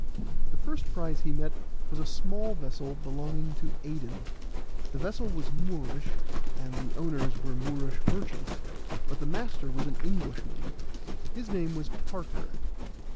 The first prize he met was a small vessel belonging to Aden; the vessel was Moorish, and the owners were Moorish merchants, but the master was an Englishman; his name was Parker.